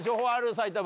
埼玉。